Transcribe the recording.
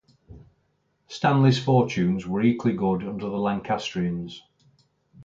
Stanley's fortunes were equally good under the Lancastrians.